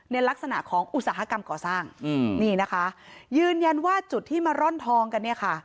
ในลักษณะของอุตสาหกรรมก่อสร้างอืมนี่นะคะยืนยันว่าจุดที่มาร่อนทองกันเนี่ยค่ะ